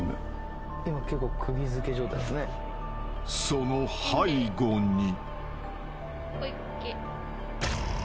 ［その背後に］